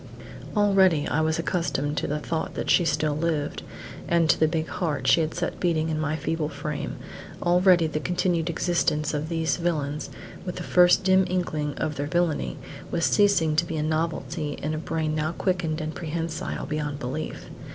Already I was accustomed to the thought that she still lived, and to the big heart she had set beating in my feeble frame; already the continued existence of these villains, with the first dim inkling of their villainy, was ceasing to be a novelty in a brain now quickened and prehensile beyond belief.